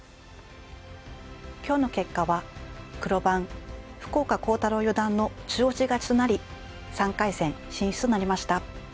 今日の結果は黒番福岡航太朗四段の中押し勝ちとなり３回戦進出となりました。